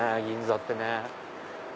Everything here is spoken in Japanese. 銀座ってね。